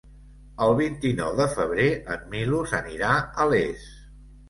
El vint-i-nou de febrer en Milos anirà a Les.